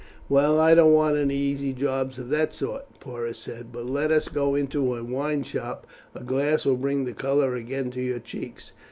"Well, I don't want any easy jobs of that sort," Porus said. "But let us go into a wine shop; a glass will bring the colour again to your cheeks."